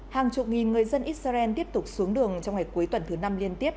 hàng chục nghìn người dân israel tiếp tục xuống đường trong ngày cuối tuần thứ năm liên tiếp